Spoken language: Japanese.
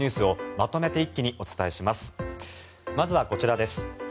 まずはこちらです。